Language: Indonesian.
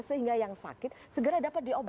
sehingga yang sakit segera dapat diobat